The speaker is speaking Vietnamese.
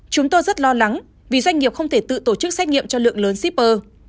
chúng tôi rất lo lắng vì doanh nghiệp không thể tự tổ chức xét nghiệm cho lượng lớn shipper